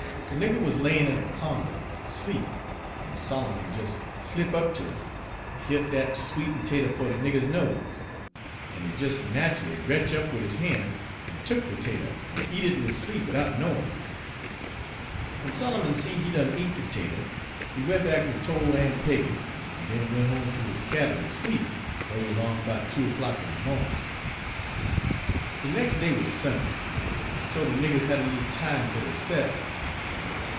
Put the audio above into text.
De nigger wuz layin' in a co'nder, 'sleep, en Solomon des slip' up ter 'im, en hilt dat sweet'n' 'tater' fo' de nigger's nose, en he des nach'ly retch' up wid his han', en tuk de 'tater en eat it in his sleep, widout knowin' it. W'en Solomon seed he'd done eat de 'tater, he went back en tol' Aun' Peggy, en den went home ter his cabin ter sleep, 'way 'long 'bout two o'clock in de mawnin'. "De nex' day wuz Sunday, en so de niggers had a little time ter deyse'ves.